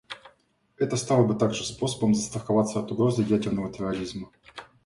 Это стало бы также способом застраховаться от угрозы ядерного терроризма.